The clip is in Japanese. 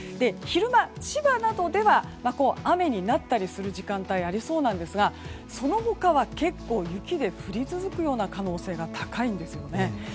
昼間、千葉などでは雨になったりする時間帯がありそうなんですがその他は結構雪が降り続くような可能性が高いんですよね。